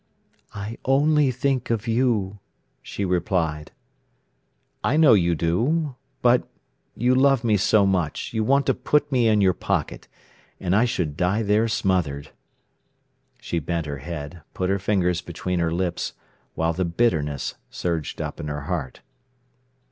"I only think of you," she replied. "I know you do. But—you love me so much, you want to put me in your pocket. And I should die there smothered." She bent her head, put her fingers between her lips, while the bitterness surged up in her heart.